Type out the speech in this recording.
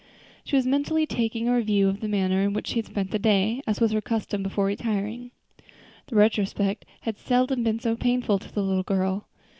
She was mentally taking a review of the manner in which she had spent the day, as was her custom before retiring. The retrospect had seldom been so painful to the little girl.